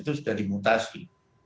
jadi sudah dimutasi